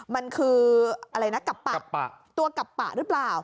มันคืออะไรนะกับปะตัวกับปะหรือเปล่า